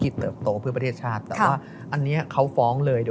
จะมันจะเป็นอย่างไรต่อ